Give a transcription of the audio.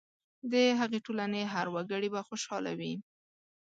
د هغې ټولنې هر وګړی به خوشاله وي.